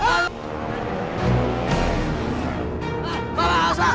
pak pak asap